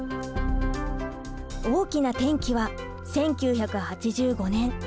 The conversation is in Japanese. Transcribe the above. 大きな転機は１９８５年。